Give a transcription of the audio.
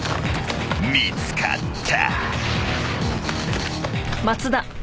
［見つかった］